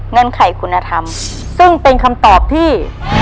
ไขคุณธรรมซึ่งเป็นคำตอบที่